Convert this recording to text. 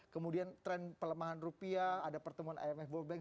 kemudian tren pelemahan rupiah ada pertemuan imf world bank